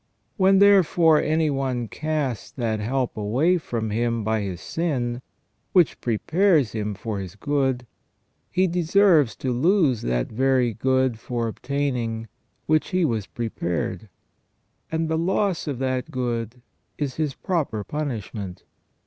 When, therefore, any one casts that help away from him by his sin, which prepares him for his good, he deserves to lose that very good for obtaining which he was prepared ; and the loss of that good is his proper punishment.